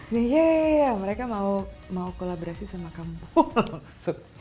nah ya mereka mau kolaborasi sama kamu